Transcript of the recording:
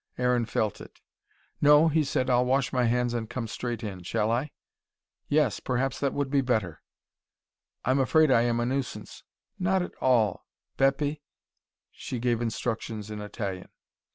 Aaron felt it. "No," he said. "I'll wash my hands and come straight in, shall I?" "Yes, perhaps that would be better " "I'm afraid I am a nuisance." "Not at all Beppe " and she gave instructions in Italian.